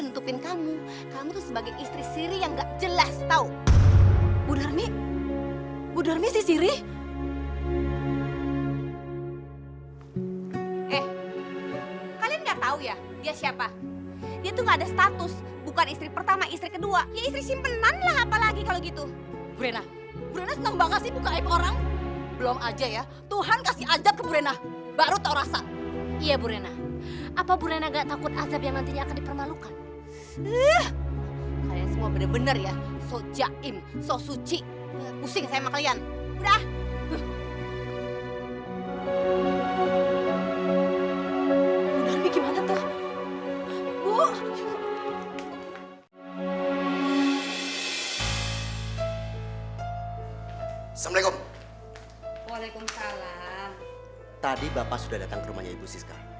tadi bapak sudah datang ke rumahnya ibu siska